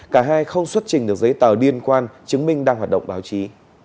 cả hai không xuất trình được giấy tờ liên quan chứng minh đang hoạt động báo chí